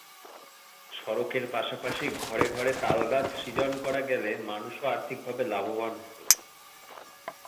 সড়কের পাশাপাশি ঘরে ঘরে তালগাছ সৃজন করা গেলে মানুষও আর্থিকভাবে লাভবান হবে।